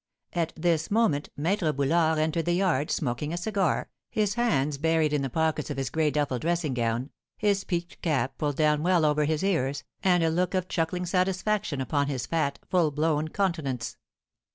At this moment Maître Boulard entered the yard, smoking a cigar, his hands buried in the pockets of his gray duffle dressing gown, his peaked cap pulled down well over his ears, and a look of chuckling satisfaction upon his fat, full blown countenance.